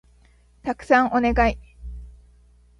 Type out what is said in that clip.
たくさんお願い